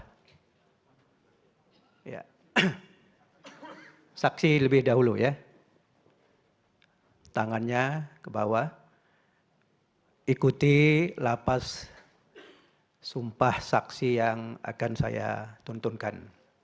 ya ya saksi lebih dahulu ya jadi tangannya kebawah hai ikuti lapas sumpah saksi yang akan saya tuntunkan